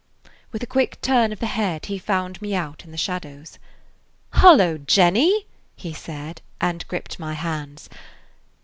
With a quick turn of the head, he found me out in the shadows. "Hullo, Jenny!" he said, and gripped my hands.